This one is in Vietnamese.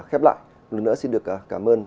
khép lại lần nữa xin được cảm ơn